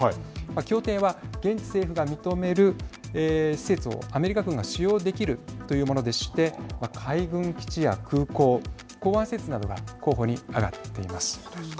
協定は現地政府が認める施設をアメリカ軍が使用できるというものでして海軍基地や空港、港湾施設などが候補に挙がっています。